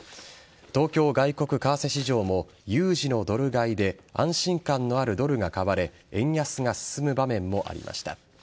東京外国為替市場も有事のドル買いで安心感のあるドルが買われ円安が進む場面もありました。